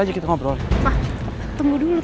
yuk kita pergi dulu